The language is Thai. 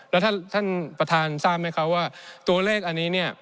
แล้วท่านประธานทราบไหมคะว่าตัวเลขอันนี้เนี่ย